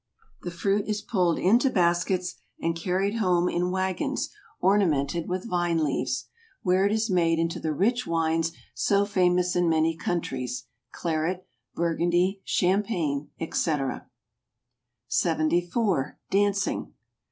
The fruit is pulled into baskets, and carried home in wagons 88 FRANCE. ornamented with vine leaves; where it is made into the rich wines so famous in many countries; Claret, Burgundy, Champagne, &c. 74 . Dancing